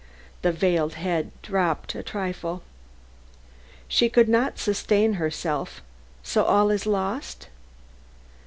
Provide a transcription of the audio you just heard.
The veiled head dropped a trifle. "She could not sustain herself! So all is lost?"